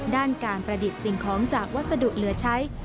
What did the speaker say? ด้านการประดิษฐ์สิ่งของจากวัสดุเหลือใช้